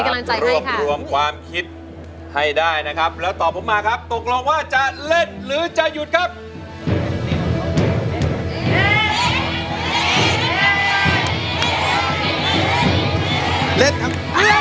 ร่วมความคิดให้ได้นะครับแล้วตอบพรุ่งมาครับตกลงว่าจะเล่นหรือจะหยุดครับ